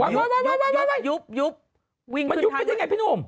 ยุบยุบมันยุบไปได้ไงพี่หนุ่ม